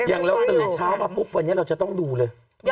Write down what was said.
อย่างเราตื่นเช้ามาปุ๊บวันนี้เราจะต้องดูเลย